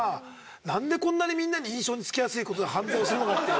何でこんなにみんなに印象につきやすいことで犯罪をするのかっていう。